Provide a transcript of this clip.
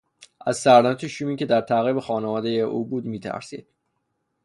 از سرنوشت شومی که در تعقیب خانوادهی او بود میترسید.